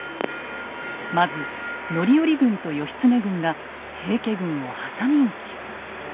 まず範頼軍と義経軍が平家軍を挟み撃ち。